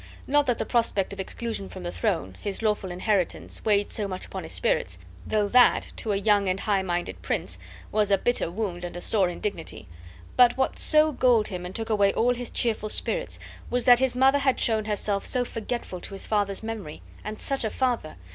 Not that the prospect of exclusion from the throne, his lawful inheritance, weighed so much upon his spirits, though that to a young and high minded prince was a bitter wound and a sore indignity; but what so galled him and took away all his cheerful spirits was that his mother had shown herself so forgetful to his father's memory, and such a father!